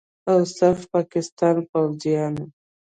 او صرف پاکستان پوځیانو